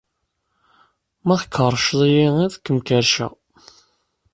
Ma tkerrced-iyi, ad kem-kerrceɣ.